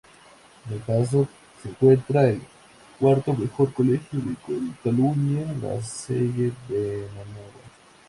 En el paseo se encuentra el cuarto mejor colegio de Cataluña, la Salle Bonanova.